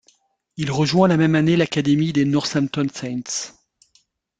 Il rejoint la même année l'académie des Northampton Saints.